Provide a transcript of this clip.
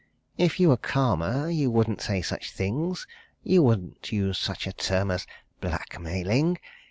If you were calmer, you wouldn't say such things you wouldn't use such a term as blackmailing.